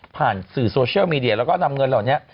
ผ่านสื่อโซเชียลมีเดียแล้วก็นำเงินเหล่านี้